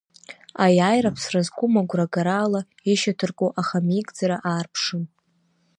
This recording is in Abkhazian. Аиааира ԥсра зқәым агәра агара ала ишьаҭарку ахамеигӡара аарԥшын.